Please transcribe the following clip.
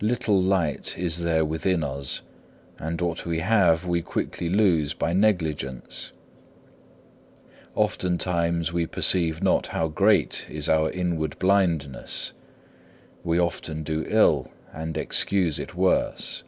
Little light is there within us, and what we have we quickly lose by negligence. Oftentimes we perceive not how great is our inward blindness. We often do ill and excuse it worse.